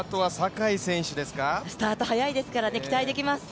スタート速いですから期待できます。